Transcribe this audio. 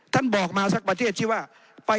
บอกมาสักประเทศที่ว่า